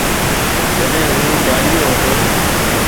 جڏيَ هُون ٻاݪيو هتو۔